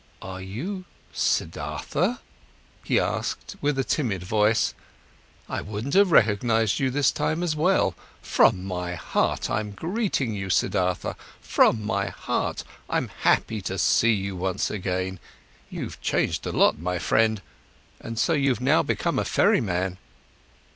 "Are you Siddhartha?" he asked with a timid voice. "I wouldn't have recognised you this time as well! From my heart, I'm greeting you, Siddhartha; from my heart, I'm happy to see you once again! You've changed a lot, my friend.—And so you've now become a ferryman?"